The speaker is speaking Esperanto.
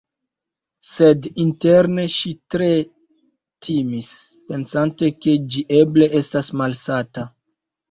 Sed interne ŝi tre timis pensante ke ĝi eble estas malsata.